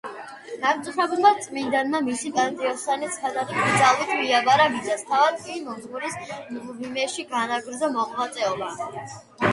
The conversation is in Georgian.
დამწუხრებულმა წმინდანმა მისი პატიოსანი ცხედარი კრძალვით მიაბარა მიწას, თავად კი მოძღვრის მღვიმეში განაგრძო მოღვაწეობა.